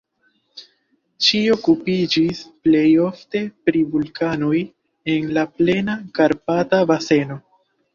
Ŝi okupiĝis plej ofte pri vulkanoj en la plena Karpata baseno.